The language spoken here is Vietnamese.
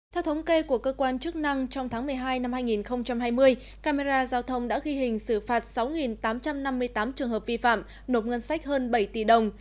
theo thống kê của cơ quan chức năng trong tháng một mươi hai năm hai nghìn hai mươi camera giao thông đã ghi hình xử phạt sáu tám trăm năm mươi tám trường hợp vi phạm nộp ngân sách hơn bảy tỷ đồng